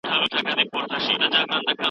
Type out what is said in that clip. نالي دي په کوټه کي سمه کړه چي مېلمه راسي.